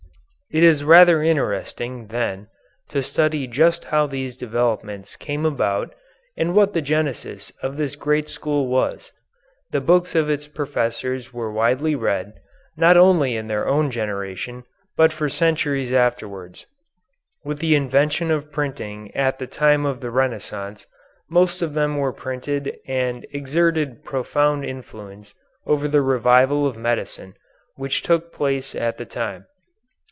It is rather interesting, then, to study just how these developments came about and what the genesis of this great school was. The books of its professors were widely read, not only in their own generation but for centuries afterwards. With the invention of printing at the time of the Renaissance most of them were printed and exerted profound influence over the revival of medicine which took place at that time.